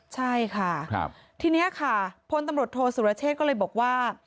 ใช่ค่ะทีนี้ค่ะพลตำรวจโทษสุรเชษก็เลยบอกว่า